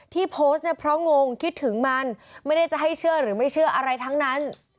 โพสต์เนี่ยเพราะงงคิดถึงมันไม่ได้จะให้เชื่อหรือไม่เชื่ออะไรทั้งนั้น